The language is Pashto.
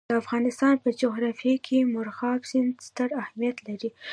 د افغانستان په جغرافیه کې مورغاب سیند ستر اهمیت لري.